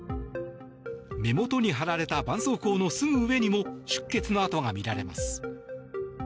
目元に貼られたばんそうこうのすぐ上にも出血の痕が見られます。